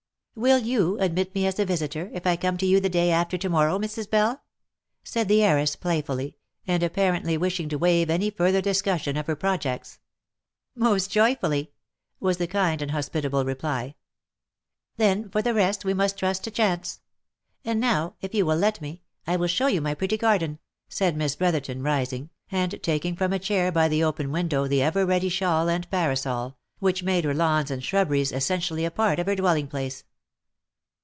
" Will you admit me as a visiter, if I come to you the day after to morrow, Mrs. Bell ?" said the heiress, playfully, and apparently wishing to wave any further discussion of her projects. " Most joyfully !" was the kind and hospitable reply. •' Then, for the rest we must trust to chance. And now, if you will let me, I will show you my pretty garden," said Miss Brotherton, rising, and taking from a chair by the open window the ever ready shawl and parasol, which made her lawns and shrubberies essentially a part of her dwelling place.